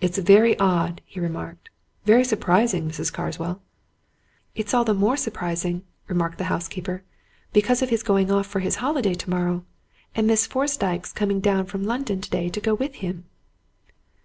"It's very odd," he remarked. "Very surprising, Mrs. Carswell." "It's all the more surprising," remarked the housekeeper, "because of his going off for his holiday tomorrow. And Miss Fosdyke's coming down from London today to go with him."